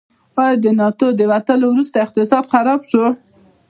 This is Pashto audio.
آیا د ناټو د وتلو وروسته اقتصاد خراب شو؟